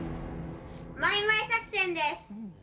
マイマイ作戦です！